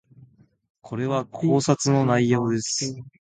これは考察の内容です